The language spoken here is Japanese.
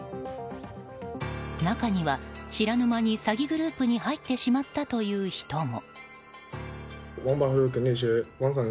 中には知らぬ間に詐欺グループに入ってしまったという人も。